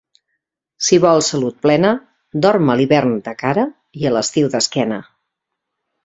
Si vols salut plena, dorm a l'hivern de cara i, a l'estiu, d'esquena.